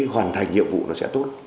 hoàn thành nhiệm vụ nó sẽ tốt